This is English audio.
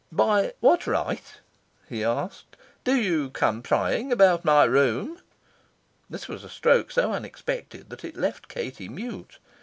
"By what right," he asked, "do you come prying about my room?" This was a stroke so unexpected that it left Katie mute.